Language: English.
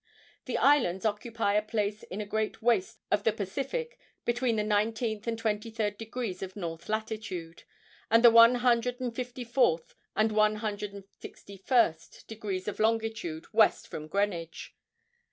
The islands occupy a place in a great waste of the Pacific between the nineteenth and twenty third degrees of north latitude, and the one hundred and fifty fourth and one hundred and sixty first degrees of longitude west from Greenwich.